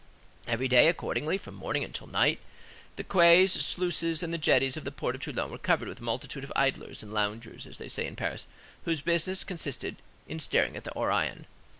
Every day, accordingly, from morning until night, the quays, sluices, and the jetties of the port of Toulon were covered with a multitude of idlers and loungers, as they say in Paris, whose business consisted in staring at the Orion.